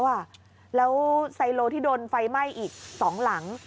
แล้วไซโลที่โดนไฟไหม้อีก๒หลัง